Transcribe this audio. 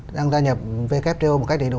đang gia nhập wto một cách đầy đủ